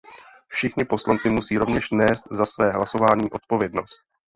Všichni poslanci musí rovněž nést za své hlasování odpovědnost.